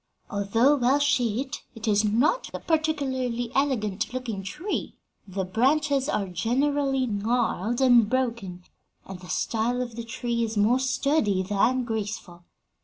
Although well shaped, it is not a particularly elegant looking tree. The branches are generally gnarled and broken, and the style of the tree is more sturdy than graceful.